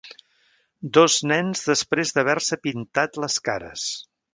Dos nens després d'haver-se pintat les cares.